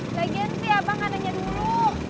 udah ganti abang gak nanya dulu